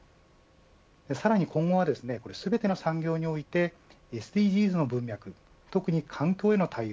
さらに今後は全ての産業においてＳＤＧｓの分野特に環境への対応